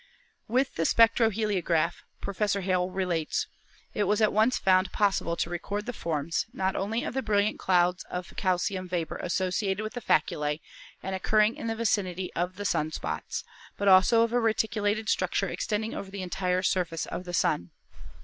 "With the spectroheliograph," Professor Hale relates, "it was at once found possible to record the forms, not only of the brilliant clouds of calcium vapor associated with the faculse and occurring in the vicinity of the sun spots, but also of a reticulated structure extending over the entire surface of the Sun.